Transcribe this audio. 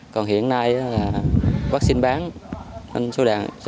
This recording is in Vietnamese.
còn hiện nay là vaccine bán nên số đàn lớn người ta cũng ngại về tiền